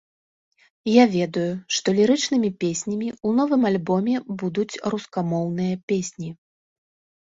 Я ведаю, што лірычнымі песнямі ў новым альбоме будуць рускамоўныя песні.